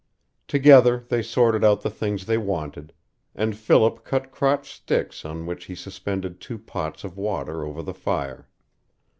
Together they sorted out the things they wanted, and Philip cut crotched sticks on which he suspended two pots of water over the fire.